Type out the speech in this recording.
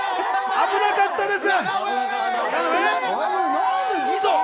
危なかったです。